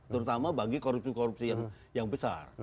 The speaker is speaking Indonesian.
terutama bagi korupsi korupsi yang besar